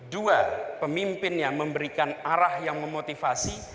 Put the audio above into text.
dua pemimpinnya memberikan arah yang memotivasi